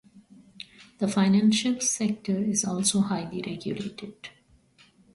The financial sector is also highly regulated.